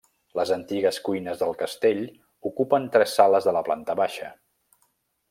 Les antigues cuines del castell ocupen tres sales de la planta baixa.